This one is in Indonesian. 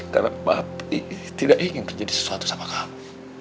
karena papi tidak ingin terjadi sesuatu sama kamu